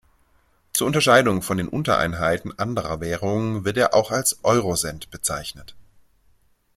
Zur Unterscheidung von den Untereinheiten anderer Währungen wird er auch als „Eurocent“ bezeichnet.